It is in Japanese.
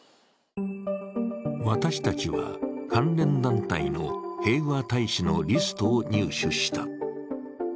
私たちは関連団体の平和大使のリストを入手した。